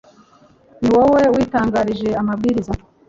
Ni wowe witangarije amabwiriza